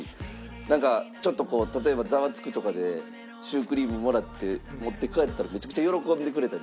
なんかちょっとこう例えば『ザワつく！』とかでシュークリームもらって持って帰ったらめちゃくちゃ喜んでくれたり。